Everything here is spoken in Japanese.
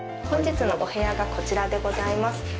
本日のお部屋がこちらでございます。